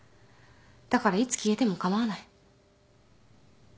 だからいつ消えても構わない